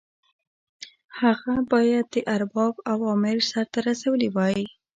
هغه باید د ارباب اوامر سرته رسولي وای.